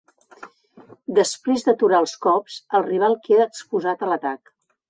Després d'aturar els cops, El rival queda exposat a l'atac.